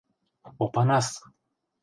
— Опанас!